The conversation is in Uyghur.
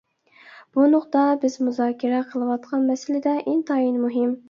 بۇ نۇقتا بىز مۇزاكىرە قىلىۋاتقان مەسىلىدە ئىنتايىن مۇھىم.